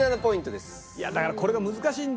いやだからこれが難しいんだよ。